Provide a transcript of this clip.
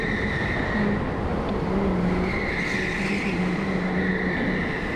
سن ټزو وایي خپل ځان پېژندل د بریا راز دی.